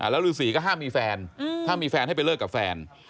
แล้วฤษีก็ห้ามมีแฟนถ้ามีแฟนให้ไปเลิกกับแฟน